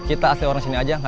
itu suara di sana